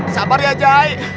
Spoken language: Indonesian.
sabar ya jai